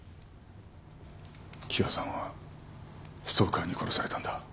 喜和さんはストーカーに殺されたんだ。